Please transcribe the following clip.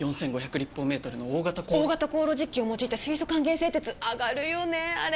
立方メートルの大型高炉型高炉実機を用いた水素還元製鉄！がるよねあれ！